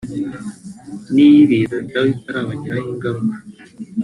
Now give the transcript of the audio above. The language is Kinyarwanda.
n’iyo ibiza byaba bitarabagiraho ingaruka